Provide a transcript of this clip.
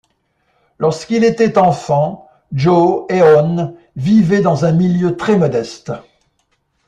Lorsqu'il était enfant, Joo Heon vivait dans un milieu très modeste.